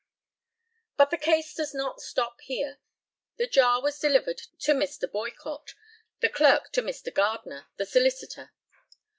But the case does not stop here. The jar was delivered to Mr. Boycott, the clerk to Mr. Gardner, the solicitor.